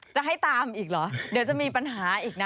จะให้ตามอีกเหรอเดี๋ยวจะมีปัญหาอีกนะ